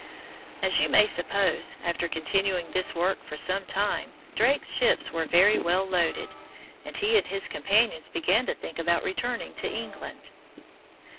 As you may suppose, after continuing this work for some time Drake's ships were very well loaded, and he and his companions began to think about returning to England.